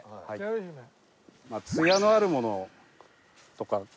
ツヤのあるものとかこういう。